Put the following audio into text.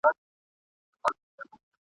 نه به څوک وي چي په موږ پسي ځان خوار کي ..